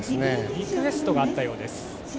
リクエストがあったようです。